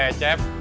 eh kang cecep